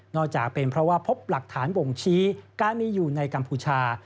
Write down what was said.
จากเป็นเพราะว่าพบหลักฐานบ่งชี้การมีอยู่ในกัมพูชา